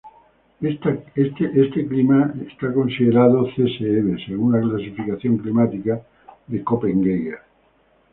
Este clima es considerado Csb según la clasificación climática de Köppen-Geiger.